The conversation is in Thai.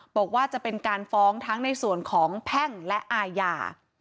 บอกว่าจะเป็นการฟ้องทั้งในส่วนของแพ่งและอาญา